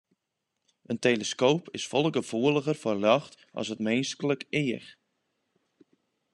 In teleskoop is folle gefoeliger foar ljocht as it minsklik each.